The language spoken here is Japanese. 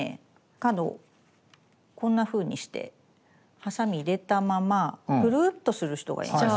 角をこんなふうにしてハサミ入れたままぐるーっとする人がいます。